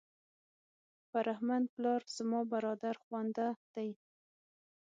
فرهمند پلار زما برادرخوانده دی.